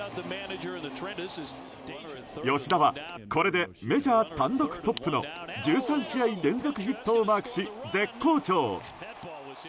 吉田は、これでメジャー単独トップの１３試合連続ヒットをマークし絶好調。